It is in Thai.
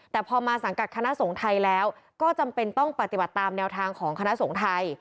แต่พอมาสังกัดคณะสงฆ์ไทยแล้วก็จำเป็นต้องปฏิบัติตามแนวทางของคณะสงฆ์ไทย